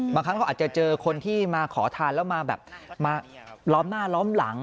บางครั้งเขาอาจจะเจอคนที่มาขอทานแล้วมาแบบมาล้อมหน้าล้อมหลัง